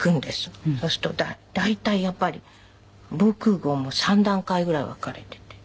そうすると大体やっぱり防空壕も３段階ぐらい分かれてて。